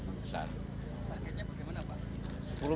paketnya bagaimana pak